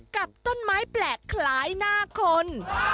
กับต้นไม้แปลกคล้ายหน้าคน